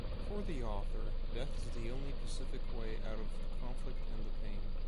For the author, death is the only pacific way out of the conflict and the pain.